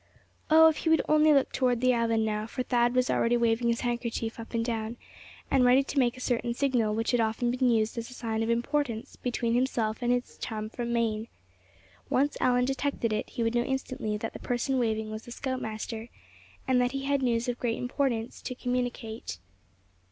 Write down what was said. Oh! if he would only look toward the island now; for Thad was already waving his handkerchief up and down, and ready to make a certain signal which had often been used as a sign of importance between himself and this chum from Maine. Once Allan detected it, he would know instantly that the person waving was the scout master, and that he had news of great importance to communicate.